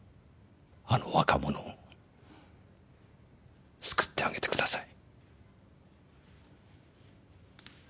あの若者を救ってあげてください。